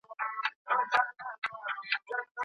د کومي ميرمني نوم چي راووت، هغه دي په سفرکي ورسره ملګرې کړي.